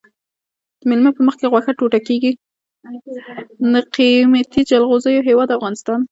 د قیمتي جلغوزیو هیواد افغانستان.